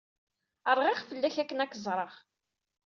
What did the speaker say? Rɣiɣ fell-ak akken ad k-ẓreɣ.